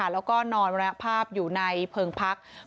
แล้วก็นอนมรณภาพอยู่ในเพลิงพัก